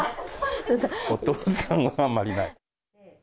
お父さんはあんまりない。